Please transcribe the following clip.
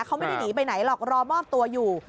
เขาไม่ได้หนีไปไหนหรอกรอมอบตัวอยู่